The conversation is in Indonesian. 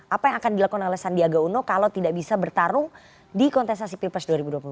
apa yang akan dilakukan oleh sandiaga uno kalau tidak bisa bertarung di kontestasi pilpres dua ribu dua puluh empat